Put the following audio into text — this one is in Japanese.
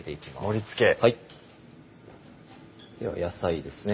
盛りつけでは野菜ですね